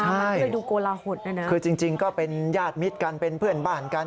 ใช่คือจริงก็เป็นญาติมิตรกันเป็นเพื่อนบ้านกัน